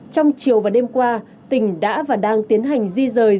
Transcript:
trong chiều và đêm qua tỉnh đã và đang tiến hành di rời